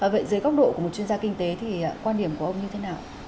vậy dưới góc độ của một chuyên gia kinh tế thì quan điểm của ông như thế nào